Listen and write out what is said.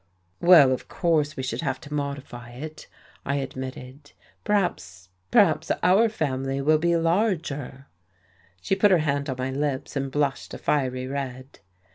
"Well, of course we should have to modify it," I admitted. "Perhaps perhaps our family will be larger." She put her hand on my lips, and blushed a fiery red....